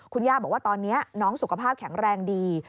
คุณย่าบอกว่าตอนนี้น้องสุขภาพแข็งแรงดี